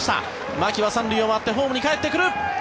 牧は３塁を回ってホームにかえってくる。